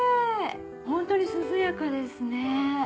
ホントに涼やかですね。